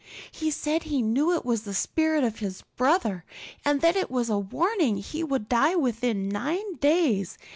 He said he knew it was the spirit of his brother and that it was a warning he would die within nine days.